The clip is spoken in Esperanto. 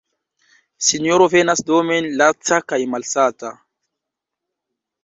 Sinjoro venas domen laca kaj malsata.